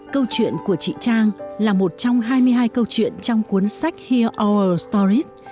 câu chuyện của chị trang là một trong hai mươi hai câu chuyện trong cuốn sách here are stories